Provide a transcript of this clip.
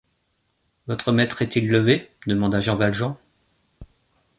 Votre maître est-il levé? demanda Jean Valjean.